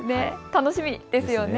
楽しみですよね。